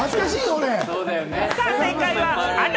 俺！